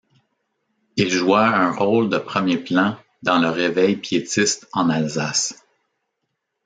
Il joua un rôle de premier plan dans le Réveil piétiste en Alsace.